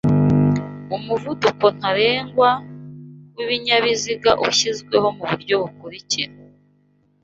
umuvuduko ntarengwa w' ibinyabiziga ushyizweho ku buryo bukurikira